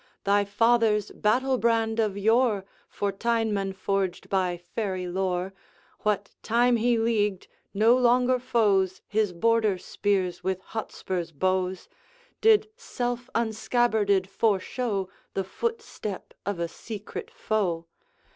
Thy father's battle brand, of yore For Tine man forged by fairy lore, What time he leagued, no longer foes His Border spears with Hotspur's bows, Did, self unscabbarded, foreshow The footstep of a secret foe.